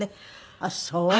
あっそう。